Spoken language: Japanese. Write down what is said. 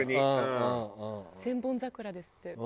『千本桜』ですって。